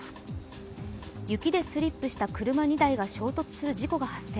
雪でスリップした車２台が衝突する事故が発生。